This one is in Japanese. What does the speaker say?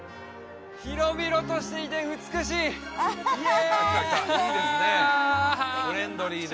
広々としていて美しいイエーイ！